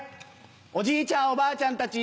おじいちゃんおばあちゃんたち